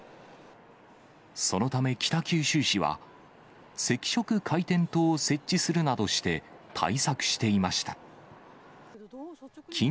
そのため、北九州市は、赤色回転灯を設置するなどして、対策していました。